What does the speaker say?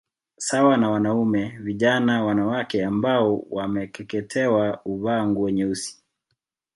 Sawa na wanaume vijana wanawake ambao wamekeketewa huvaa nguo nyeusi